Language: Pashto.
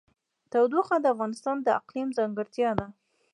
تودوخه د افغانستان د اقلیم ځانګړتیا ده.